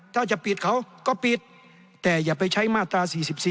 ถ้าจะปิดเขาก็ปิดแต่อย่าไปใช้มาตรา๔๔